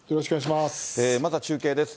まずは中継です。